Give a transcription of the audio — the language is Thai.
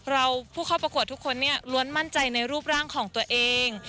ผู้เข้าประกวดทุกคนเนี่ยล้วนมั่นใจในรูปร่างของตัวเอง